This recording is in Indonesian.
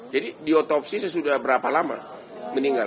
jadi diotopsi sudah berapa lama meninggal